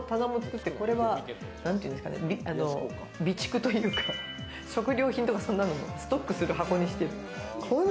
これは備蓄というか、食料品とかそんなのをストックする箱にしてる。